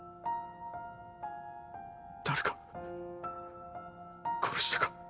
⁉誰か殺したか？